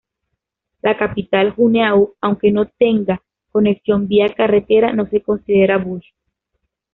La capital, Juneau, aunque no tenga conexión vía carretera no se considera "bush".